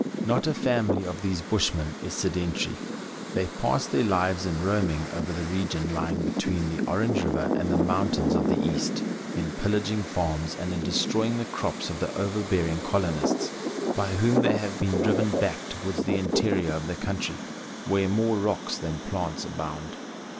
Not a family of these bushmen is sedentary ; they pass their lives in roaming over the re gion lying between the Orange River and the mountains of the East, in pillaging farms, and in destroying the crops of the overbearing colonists, by whom they have been driven back towards the interior of the country, where more rocks than plants abound.